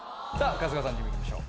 春日さんチーム行きましょう。